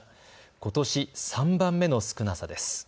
ことし３番目の少なさです。